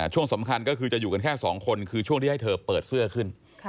ช่วงสำคัญก็คือจะอยู่กันแค่๒คนคือช่วงที่ให้เธอเปิดเสื้อขึ้น